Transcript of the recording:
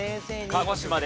鹿児島です。